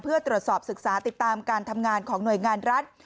เพื่อตรวจสอบศึกษาติดตามการทำงานของหน่วยงานรัฐ